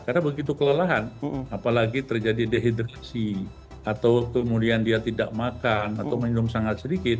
karena begitu kelelahan apalagi terjadi dehidrasi atau kemudian dia tidak makan atau minum sangat sedikit